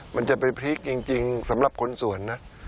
มันจะไปพลิกจริงสำหรับคนสวนนะ